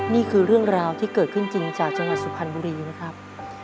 นี่คือเรื่องราวที่เกิดขึ้นจริงจากจังหวัดสุพรรณบุรีนะครับ